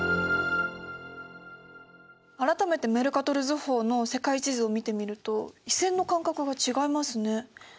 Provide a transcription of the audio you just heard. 改めてメルカトル図法の世界地図を見てみると緯線の間隔が違いますね。